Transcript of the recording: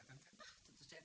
ini dia uangnya